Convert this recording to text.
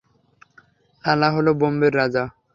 লালা হলো বোম্বের রাজা।